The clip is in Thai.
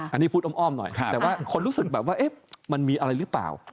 อันนี้พูดอ้อมหน่อยแต่ว่าคนรู้สึกแบบว่ามันมีอะไรหรือเปล่า